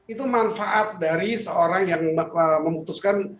itu manfaat dari seorang yang memutuskan